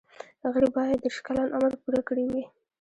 غړي باید دیرش کلن عمر پوره کړی وي.